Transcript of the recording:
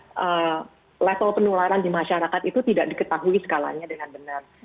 karena level penularan di masyarakat itu tidak diketahui skalanya dengan benar